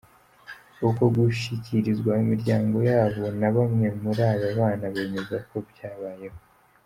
Uku gushyikirizwa imiryango yabo, na bamwe muri aba bana bemeza ko byabayeho.